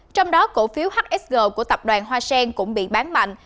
trong đó cổ phiếu hsg của tập đoàn hoa sen cũng bị bán mạnh